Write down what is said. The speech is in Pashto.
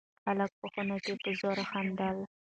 هلک په خونه کې په زوره خندل.